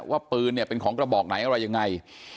ปืนเนี่ยเป็นของกระบอกไหนอะไรยังไง